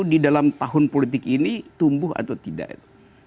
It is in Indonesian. di dalam tahun politik ini tumbuh atau tidak itu